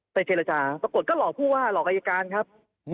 เจรจาปรากฏก็หลอกผู้ว่าหลอกอายการครับ